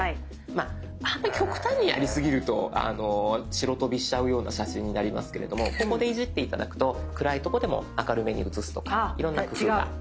まああんまり極端にやりすぎると白飛びしちゃうような写真になりますけれどもここでいじって頂くと暗いとこでも明るめに写すとかいろんな工夫が。